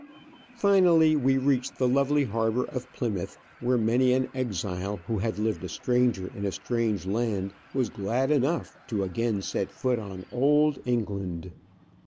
Finally we reached the lovely harbour of Plymouth, where many an exile who had lived a stranger in a strange land was glad enough to again set foot on Old England.